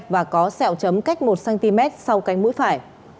và có sẹo chấm cách một cm sau cánh mũi phải